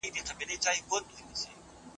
بهرني سیلانیان غواړي چي زموږ تاریخي ځایونه وګوري.